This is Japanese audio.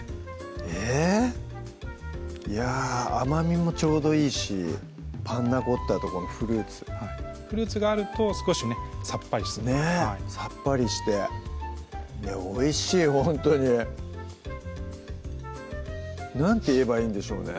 えぇいや甘みもちょうどいいしパンナコッタとこのフルーツフルーツがあると少しねさっぱりするねぇさっぱりしておいしいほんとに何て言えばいいんでしょうね